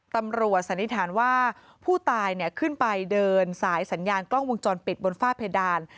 สันนิษฐานว่าผู้ตายขึ้นไปเดินสายสัญญาณกล้องวงจรปิดบนฝ้าเพดาน